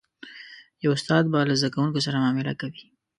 یو استاد به له زده کوونکو سره معامله کوي.